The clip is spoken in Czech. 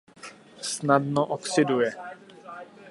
Snadno oxiduje.